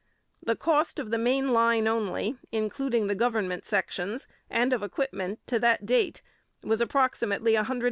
The cost of the main line only, including the government sections, and of equipment, to that date, was approximately $150,000,000.